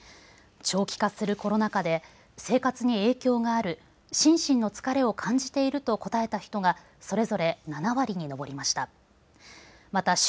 長期化するコロナ禍で生活に影響がある、心身の疲れを感じていると答えた人がそれぞれ７割に上りました。